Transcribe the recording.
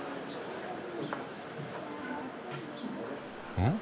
うん？